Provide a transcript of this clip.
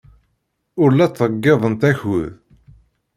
Ur la ttḍeyyiɛent akud.